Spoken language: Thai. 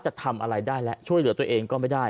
จะทำอะไรได้แล้วช่วยเหลือตัวเองก็ไม่ได้